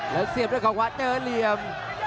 แล้วเสียบด้วยเขาขวาเจอเหลี่ยม